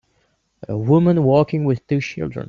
A woman walking with two children.